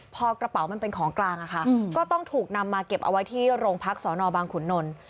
พอกระเป๋ามันเป็นของกลางก็ต้องถูกนำมาเก็บเอาไว้ที่โรงพักสอนอบางขุนนล